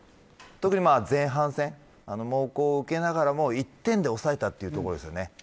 特に前半戦猛攻を受けながらも１点で押さえたというところです。